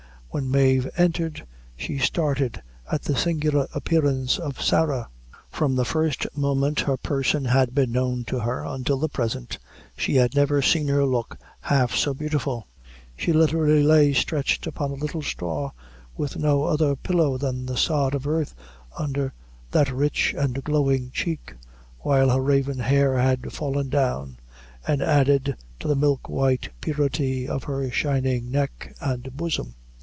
When Mave entered, she started at the singular appearance of Sarah. From the first moment her person had been known to her until the present, she had never seen her look half so beautiful. She literally lay stretched upon a little straw, with no other pillow than a sod of earth under that rich and glowing cheek, while her raven hair had fallen down, and added to the milk white purity of her shining neck and bosom.